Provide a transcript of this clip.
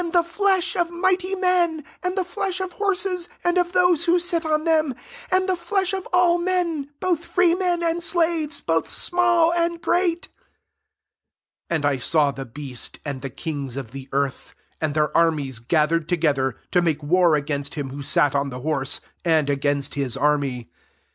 413 the flesh of mighty men, and the flesh of horses and of those who sit on them, and the flesh of all meiiy both free men and slaves, both small and great." 19 And I saw the beast, and the kings of the earth, and their armies gathered together, to make war against him who sat on the horse, and agahist his army.